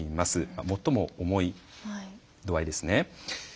最も重い度合いですね。